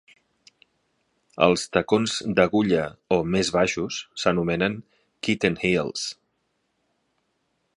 Els tacons d'agulla o més baixos s'anomenen kitten heels.